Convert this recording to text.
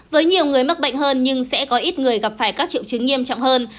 với nhiều người mắc bệnh hơn nhưng sẽ có ít người gặp phải các triệu chứng nghiêm trọng hơn